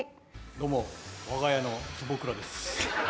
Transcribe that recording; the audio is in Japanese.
どうも我が家の坪倉です。